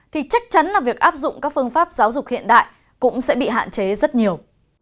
thì chắc chắn là việc áp dụng các phương pháp giáo dục hiện đại cũng sẽ bị hạn chế rất nhiều